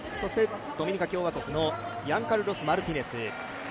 ドミニカ共和国のヤンカルロス・マルティネス。